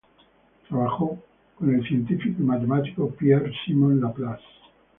Trabajó con el científico y matemático Pierre-Simon Laplace.